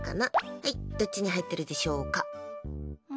はい、どっちに入っているでしょうか？